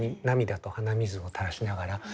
涙と鼻水をたらしながら。